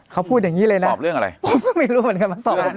เขาพูดอย่างนี้เลยนะสอบเรื่องอะไรผมก็ไม่รู้เหมือนกันมาสอบ